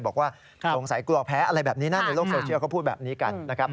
บอกว่าสงสัยกลัวแพ้อะไรแบบนี้นะในโลกโซเชียลเขาพูดแบบนี้กันนะครับ